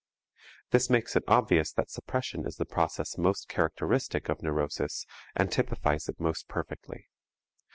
This makes it obvious that suppression is the process most characteristic of neurosis, and typifies it most perfectly.